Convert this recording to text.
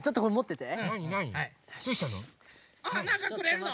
あなんかくれるの？